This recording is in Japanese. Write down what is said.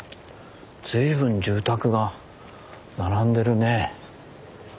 随分住宅が並んでるねえ。